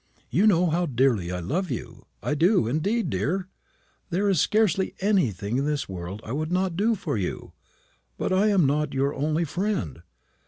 You know how dearly I love you. I do, indeed, dear. There is scarcely anything in this world I would not do for you. But I am not your only friend.